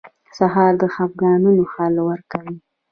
سهار د خفګانونو حل ورکوي.